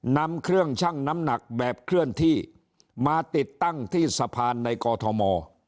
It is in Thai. นำเครื่องชั่งน้ำหนักแบบเคลื่อนที่มาติดตั้งที่สะพานในกอทม